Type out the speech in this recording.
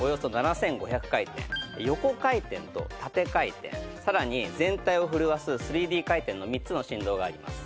横回転と縦回転さらに全体を震わす３Ｄ回転の３つの振動があります。